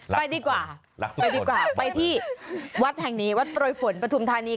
ไปดีกว่าไปที่วัดแห่งนี้วัดตรวยฝนปทุมธานี